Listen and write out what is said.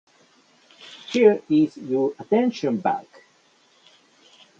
Here is your attention bag.